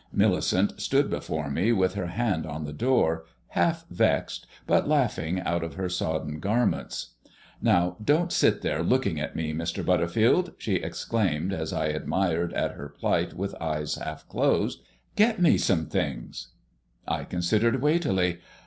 Millicent stood before me with her hand on the door, half vexed, but laughing out of her sodden garments. "Now don't sit there looking at me, Mr. Butterfield," she exclaimed, as I admired at her plight with eyes half closed; "get me some things." I considered weightily.